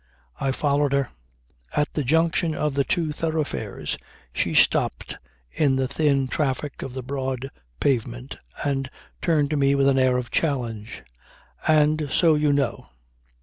I followed her. At the junction of the two thoroughfares she stopped in the thin traffic of the broad pavement and turned to me with an air of challenge. "And so you know."